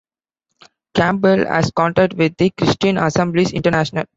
Campbell has contact with the Christian Assemblies International.